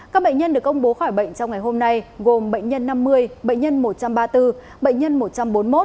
các bệnh nhân được công bố khỏi bệnh trong ngày hôm nay gồm bệnh nhân năm mươi bệnh nhân một trăm ba mươi bốn bệnh nhân một trăm bốn mươi một